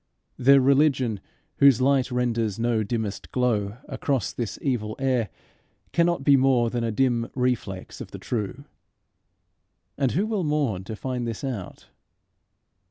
The religion whose light renders no dimmest glow across this evil air, cannot be more than a dim reflex of the true. And who will mourn to find this out?